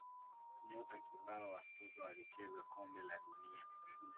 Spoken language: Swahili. nyota kibao wa soka walicheza kombe la dunia